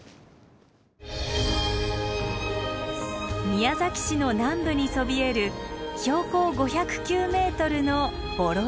宮崎市の南部にそびえる標高５０９ｍの双石山。